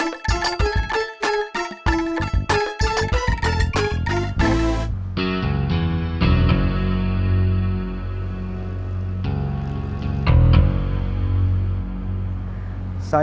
jangan sampai sampai